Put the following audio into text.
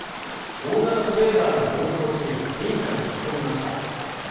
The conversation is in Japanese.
大型トレーラーが暴走し民家に突っ込みました